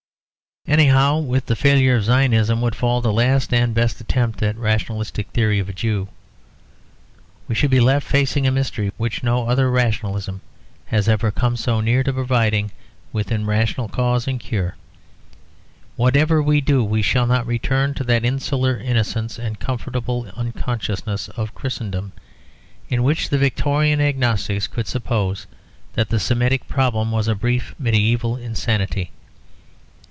Anyhow with the failure of Zionism would fall the last and best attempt at a rationalistic theory of the Jew. We should be left facing a mystery which no other rationalism has ever come so near to providing within rational cause and cure. Whatever we do, we shall not return to that insular innocence and comfortable unconsciousness of Christendom, in which the Victorian agnostics could suppose that the Semitic problem was a brief medieval insanity.